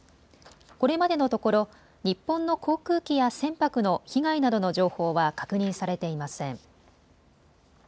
これまでのところ日本の航空機や船舶の被害などの情報は確認されていません。